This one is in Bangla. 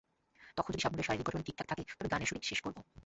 তখন যদি শাবনূরের শারীরিক গঠন ঠিকঠাক থাকে, তাহলে গানের শুটিং শেষ করব।